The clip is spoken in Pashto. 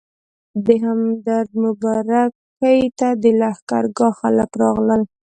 د همدرد مبارکۍ ته د لښکرګاه خلک راغلل.